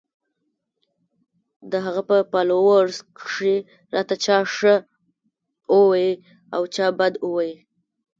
د هغه پۀ فالوورز کښې راته چا ښۀ اووې او چا بد اووې